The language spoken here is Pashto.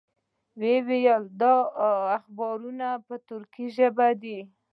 وې ویل دا اخبارونه په تُرکي ژبه دي.